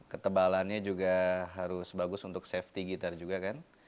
ketebalannya juga harus bagus untuk safety gitar juga kan